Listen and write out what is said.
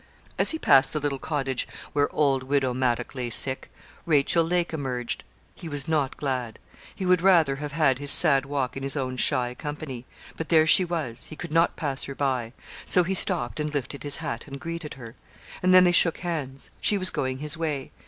As he passed the little cottage where old Widow Maddock lay sick, Rachael Lake emerged. He was not glad. He would rather have had his sad walk in his own shy company. But there she was he could not pass her by; so he stopped, and lifted his hat, and greeted her; and then they shook hands. She was going his way.